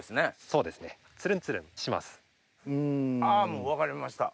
もう分かりました。